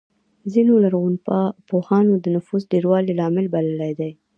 ځینو لرغونپوهانو د نفوسو ډېروالی لامل بللی دی